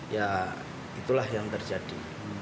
ya itulah yang terjadi